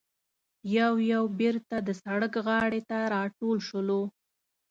یو یو بېرته د سړک غاړې ته راټول شولو.